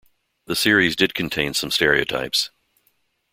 The series did contain some stereotypes.